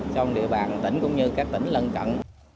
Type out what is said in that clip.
trong địa bàn tỉnh cũng như các tỉnh lân cận